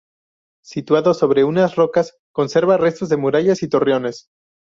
Situado sobre unas rocas conserva restos de murallas y torreones.